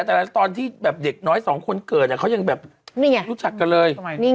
แต่ตอนที่แบบเด็กน้อยสองคนเกิดเขายังแบบรู้จักกันเลย